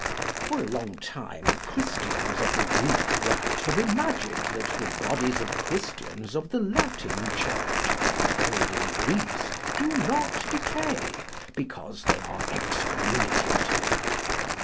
For a long time Christians of the Greek rite have imagined that the bodies of Christians of the Latin church, buried in Greece, do not decay, because they are excommunicated.